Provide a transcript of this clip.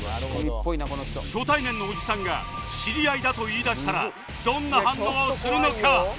初対面のおじさんが知り合いだと言いだしたらどんな反応をするのか？